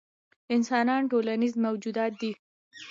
انسانان ټولنیز موجودات دي.